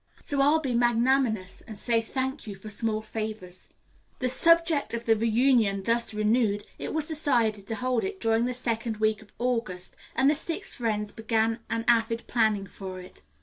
So I'll be magnanimous and say, 'thank you for small favors.'" The subject of the reunion thus renewed, it was decided to hold it during the second week in August, and the six friends began an avid planning for it.